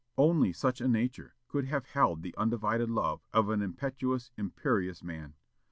Only such a nature could have held the undivided love of an impetuous, imperious man.